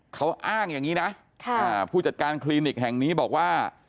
เขาอ้างอย่างนี้นะผู้จัดการคลินิกแห่งนี้บอกว่า